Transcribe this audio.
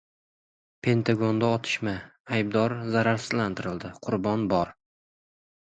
Pentagonda otishma: aybdor zararsizlantirildi, qurbon bor